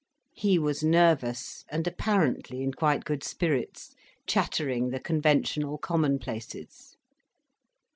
He was nervous and apparently in quite good spirits, chattering the conventional commonplaces.